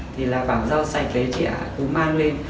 thì là khoảng rau sạch thì chị lại cứ mang lên